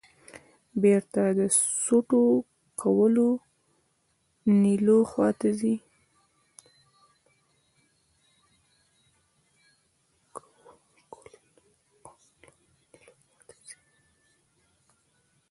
بېرته د سوټو کولونیلو خواته راځې.